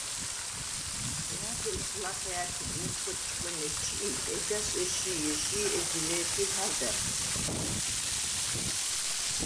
ნა̈ბოზს ლახე ა̈თუ გუნ ხოჭჭყჷნე ჩი̄, ეჯას ეში̄-ეში̄ ეჯ ლე̄თი ჰა̄ვდა̈რ ხოხალ